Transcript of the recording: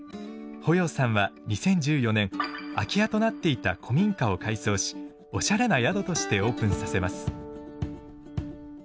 保要さんは２０１４年空き家となっていた古民家を改装しおしゃれな宿としてオープンさせます。